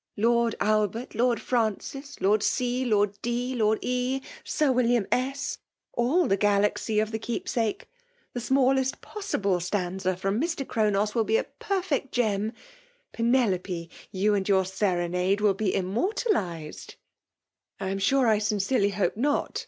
Lqrd Albert, Xx>rd Francis^ Lord C, Ix>rd D., Lord E., Sir William S., — all the galaxy of th^ Keepsake. The smallest possible stanza from Mr. Chronos will be a perfect gem ! Pene lope !. you and your serenade will be immor talized!" ''I am sure I sincerely hope not!''